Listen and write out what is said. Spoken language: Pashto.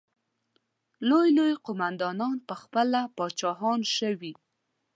لوی لوی قوماندانان پخپله پاچاهان شوي.